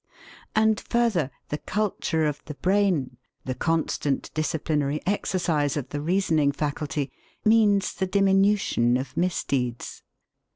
And, further, the culture of the brain, the constant disciplinary exercise of the reasoning faculty, means the diminution of misdeeds.